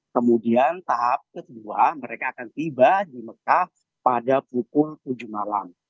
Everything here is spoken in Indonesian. kemudian tahap kedua mereka akan tiba di mekah pada pukul tujuh malam